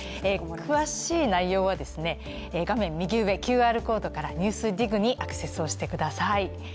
詳しい内容は、画面右上ＱＲコードから、「ＮＥＷＳＤＩＧ」にアクセスをしてください。